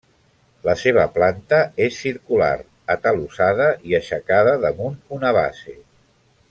La seva planta és circular, atalussada i aixecada damunt una base.